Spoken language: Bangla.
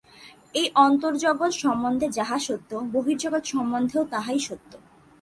এই অন্তর্জগৎ সম্বন্ধে যাহা সত্য, বহির্জগৎ সম্বন্ধেও তাহাই সত্য।